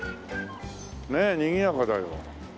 ねえにぎやかだよ。